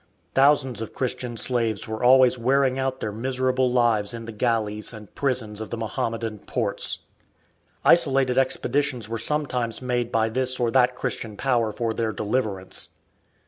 Thousands of Christian slaves were always wearing out their miserable lives in the galleys and prisons of the Mohammedan ports. Isolated expeditions were sometimes made by this or that Christian power for their deliverance.